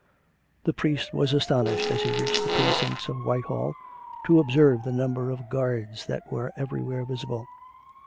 The priest was astonished, as he reached the precincts of Whitehall, to observe the number of guards that were everywhere visible.